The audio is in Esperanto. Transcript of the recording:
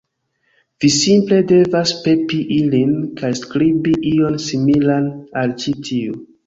Vi simple devas pepi ilin, kaj skribi ion similan al ĉi tio